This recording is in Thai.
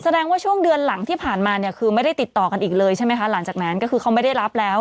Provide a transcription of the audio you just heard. แสดงว่าช่วงเดือนหลังที่ผ่านมาเนี่ยคือไม่ได้ติดต่อกันอีกเลยใช่ไหมคะหลังจากนั้นก็คือเขาไม่ได้รับแล้ว